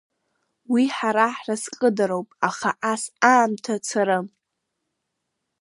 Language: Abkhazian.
Уи ҳара ҳразҟыдароуп, аха ас аамҭа царым.